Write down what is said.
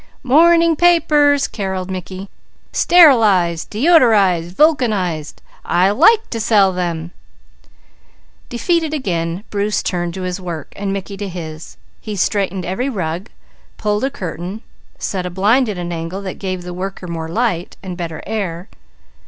"Morning papers," carrolled Mickey. "Sterilized, deodorized, vulcanized. I like to sell them " Defeated again Bruce turned to his work and Mickey to his. He straightened every rug, pulled a curtain, set a blind at an angle that gave the worker more light and better air.